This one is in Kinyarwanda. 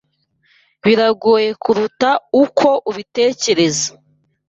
Biragoye kuruta uko ubitekereza.